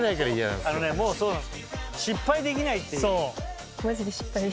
失敗できないっていう。